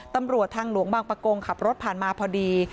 ตำรวจทางหลวงบางประกงขับรถผ่านมาพอดี